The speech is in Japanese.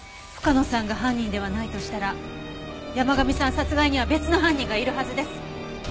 深野さんが犯人ではないとしたら山神さん殺害には別の犯人がいるはずです。